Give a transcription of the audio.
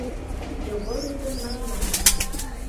Йогор ӱдыр Маринажым